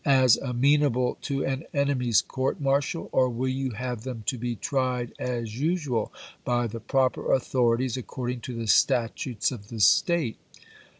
as amenable to an enemy's court martial, or will you have them to be w. R. tried as usual, by the proper authorities, according *'p!i97. " to the statutes of the State?"